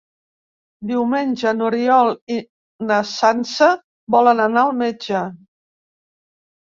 Diumenge n'Oriol i na Sança volen anar al metge.